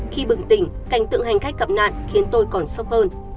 khi bừng tỉnh cảnh tượng hành khách gặp nạn khiến tôi còn sốc hơn